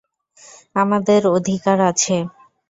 আমাদের অধিকার আছে।